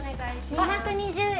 ２２０円。